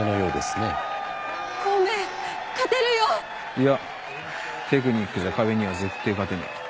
いやテクニックじゃＫＡＢＥには絶対勝てねえ。